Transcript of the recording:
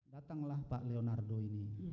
datanglah pak leonardo ini